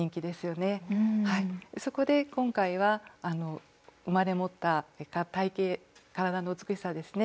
そこで今回は生まれ持った体形体の美しさですね